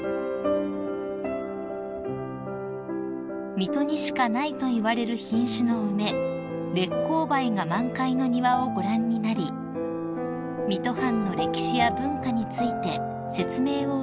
［水戸にしかないといわれる品種の梅烈公梅が満開の庭をご覧になり水戸藩の歴史や文化について説明を受けられました］